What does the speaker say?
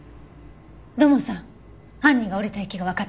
土門さん犯人が降りた駅がわかった。